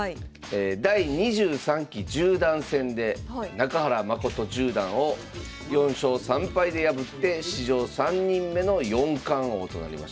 第２３期十段戦で中原誠十段を４勝３敗で破って史上３人目の四冠王となりました。